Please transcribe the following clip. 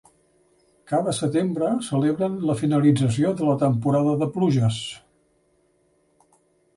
Cada setembre celebren la finalització de la temporada de pluges.